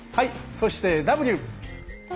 そして「Ｗ」。